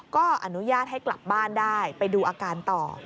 ก็อนุญาตให้กลับบ้านได้ไปดูอาการต่อ